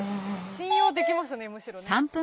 信用できますねむしろね。